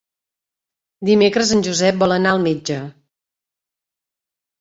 Dimecres en Josep vol anar al metge.